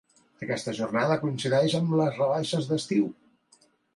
Aquesta jornada coincideix amb les rebaixes d'estiu.